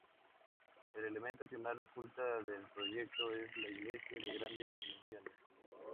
El elemento que más resalta del proyecto es la iglesia, de grandes dimensiones.